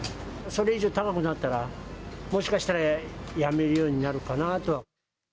それ以上高くなったら、もしかしたらやめるようになるかなと。